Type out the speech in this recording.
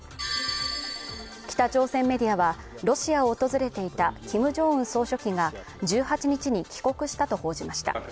北朝鮮メディアはロシアを訪れていたキム・ジョンウン総書記が１８日に帰国したと報じました